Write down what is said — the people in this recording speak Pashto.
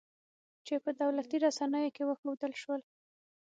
چې په دولتي رسنیو کې وښودل شول